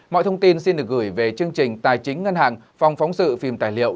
mọi thông tin xin được gửi về chương trình tài chính ngân hàng phòng phóng sự phim tài liệu